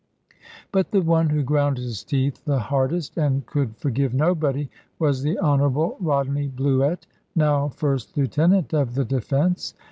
But the one who ground his teeth the hardest, and could forgive nobody, was the Honourable Rodney Bluett, now first lieutenant of the Defence.